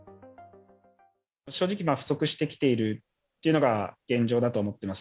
正直、不足してきているっていうのが現状だと思っています。